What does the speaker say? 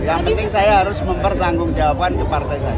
yang penting saya harus mempertanggung jawaban ke partai saya